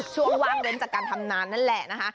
ช่วงวางเดินจากการทำหนานนั่นแหละนะฮะ